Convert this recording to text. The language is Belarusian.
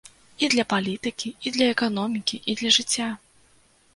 І для палітыкі, і для эканомікі, і для жыцця!